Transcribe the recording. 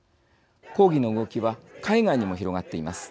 抗議の動きは海外にも広がっています。